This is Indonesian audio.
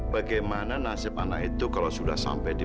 bagaimana nasib anak itu kalau sudah sampai di